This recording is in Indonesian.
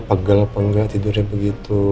pegel apa enggak tidurnya begitu